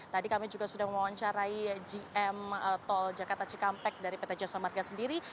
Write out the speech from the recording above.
tadi kami juga sudah mewawancarai gm tol jakarta cikampek dari pt jasa marga sendiri